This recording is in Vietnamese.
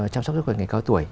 chăm sóc sức khỏe ngày cao tuổi